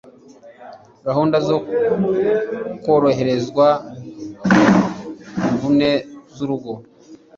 gahunda zo kworoherezwa imvune z'urugo